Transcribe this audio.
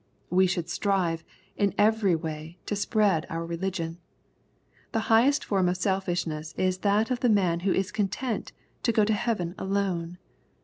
We should strive, in every way, to spread our religion. The high est form of selfishness is that of the man who is content to go to heaven alone.